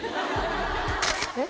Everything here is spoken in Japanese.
えっ？